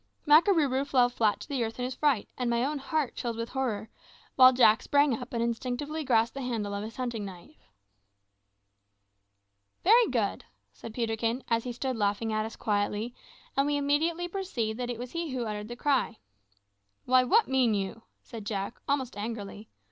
Makarooroo fell flat to the earth in his fright, and my own heart chilled with horror, while Jack sprang up and instinctively grasped the handle of his hunting knife. "Very good," said Peterkin, as he stood laughing at us quietly, and we immediately perceived that it was he who uttered the cry. "Why, what mean you?" said Jack, almost angrily.